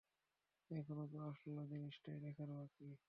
এখনও তো আসল জিনিসটাই দেখার বাকি।